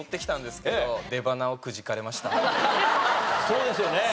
そうですよね。